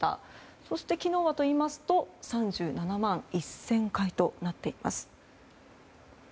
そして昨日は３７万１０００回となっています。